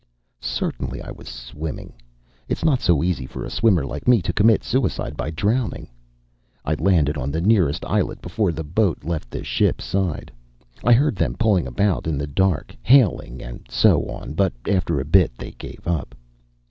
Certainly I was swimming. It's not so easy for a swimmer like me to commit suicide by drowning. I landed on the nearest islet before the boat left the ship's side. I heard them pulling about in the dark, hailing, and so on, but after a bit they gave up.